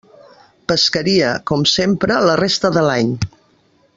Pescaria, com sempre, la resta de l'any.